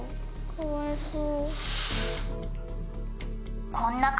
かわいそう。